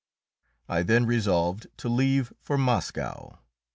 I then resolved to leave for Moscow.